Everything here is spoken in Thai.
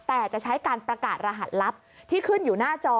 แต่จะใช้การประกาศรหัสลับที่ขึ้นอยู่หน้าจอ